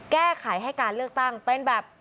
แก้ไขให้การเลือกตั้งเป็นแบบ